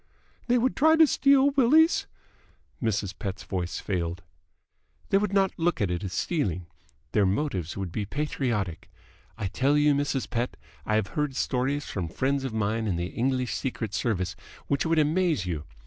"They would try to steal Willie's ?" Mrs. Pett's voice failed. "They would not look on it as stealing. Their motives would be patriotic. I tell you, Mrs. Pett, I have heard stories from friends of mine in the English Secret Service which would amaze you.